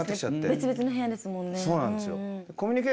別々の部屋ですもんね。